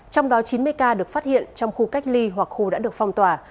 trong đó chín mươi ca được phát hiện trong khu cách ly hoặc khu đã được phong tỏa